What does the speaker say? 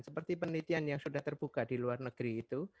seperti penelitian yang sudah terbuka di luar negeri itu